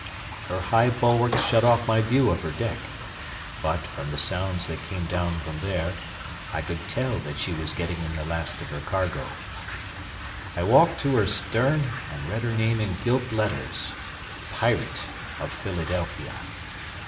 Her high bulwarks shut off my view of her deck; but, from the sounds that came down from there, I could tell that she was getting in the last of her cargo. I walked to her stern and read her name in gilt letters: "Pirate, of Philadelphia."